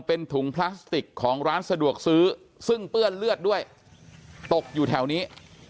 เป็นถุงพลาสติกของร้านสะดวกซื้อซึ่งเปื้อนเลือดด้วยตกอยู่แถวนี้